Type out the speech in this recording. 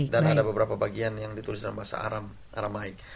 dan ada beberapa bagian yang ditulis dalam bahasa aramaik